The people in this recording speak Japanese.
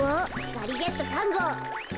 ガリジェット３ごう。